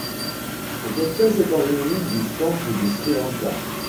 Cette espèce est endémique du centre du Sri Lanka.